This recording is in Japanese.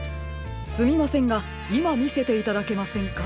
すみませんがいまみせていただけませんか？